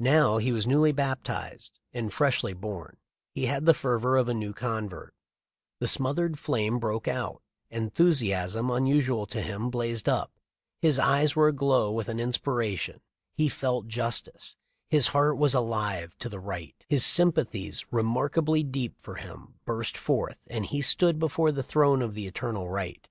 Now he was newly baptized and freshly born; he had the fervor of a new convert; the smothered flame broke out ; enthusiasm unusual to him blazed up ; his eyes were aglow with an inspir ation : he felt justice; his heart was alive to the right ; his sympathies, remarkably deep for him, burst forth, and he stood before the throne of the eternal Right.